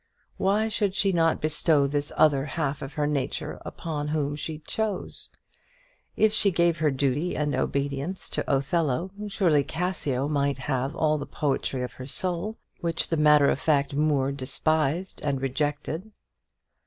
Why should she not bestow this other half of her nature upon whom she chose? If she gave her duty and obedience to Othello, surely Cassio might have all the poetry of her soul, which the matter of fact Moor despised and rejected.